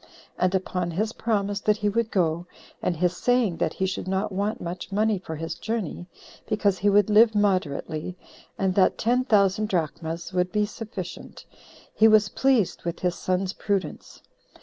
And upon his promise that he would go, and his saying that he should not want much money for his journey, because he would live moderately, and that ten thousand drachmas would be sufficient, he was pleased with his son's prudence.